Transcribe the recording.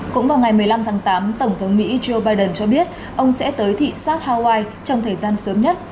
cũng vào ngày một mươi năm tháng tám tổng thống mỹ joe biden cho biết ông sẽ tới thị xác hawaii trong thời gian sớm nhất